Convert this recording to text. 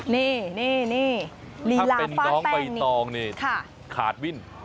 นี่นี่นี่ลีลาฟาดแป้งนี่ถ้าเป็นน้องใบตองนี่ขาดวิ่น